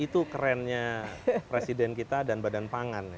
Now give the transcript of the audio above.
itu kerennya presiden kita dan badan pangan